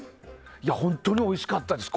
本当においしかったです。